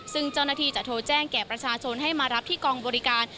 ซึ่งเจ้าหน้าที่จะโทรแจ้งแก่ประชาชนให้มารับที่กองบริการ